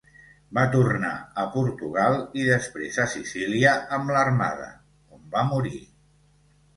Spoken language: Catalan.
Va tornar a Portugal i després a Sicília amb l'Armada, on va morir.